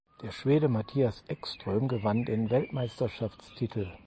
Der Schwede Mattias Ekström gewann den Weltmeisterschaftstitel.